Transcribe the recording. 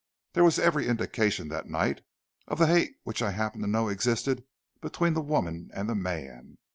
There was every indication that night, of the hate which I happen to know existed between the woman and the man.